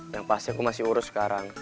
yang pasti aku masih urus sekarang